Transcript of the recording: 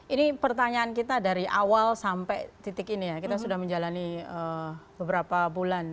ini pertanyaan kita dari awal sampai titik ini ya kita sudah menjalani beberapa bulan